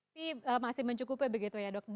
ini masih mencukupi begitu ya dok